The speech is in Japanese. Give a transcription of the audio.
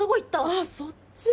あっそっちね。